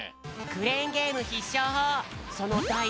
クレーンゲームひっしょうほうそのだい